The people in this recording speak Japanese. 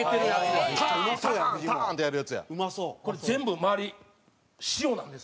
これ全部周り塩なんですよ。